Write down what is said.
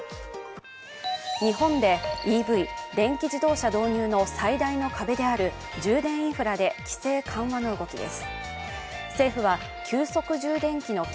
日本でＥＶ＝電気自動車導入の最大の壁である充電インフラで、規制緩和の動きです。